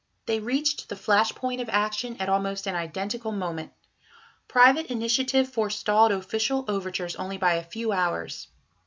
They reached the flash point of action at almost an identical moment. Private initiative forestalled official overtures only by a few hours.